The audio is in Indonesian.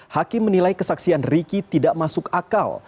hakim menilai kesaksian riki tidak masuk akal